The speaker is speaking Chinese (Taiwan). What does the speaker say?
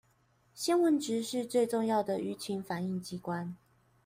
新聞局是最重要的輿情反映機關